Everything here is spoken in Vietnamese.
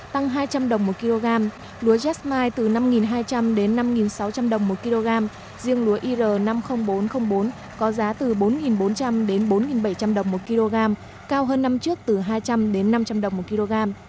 tăng hai trăm linh đồng một kg lúa jasm mai từ năm hai trăm linh đến năm sáu trăm linh đồng một kg riêng lúa ir năm mươi nghìn bốn trăm linh bốn có giá từ bốn bốn trăm linh đến bốn bảy trăm linh đồng một kg cao hơn năm trước từ hai trăm linh đến năm trăm linh đồng một kg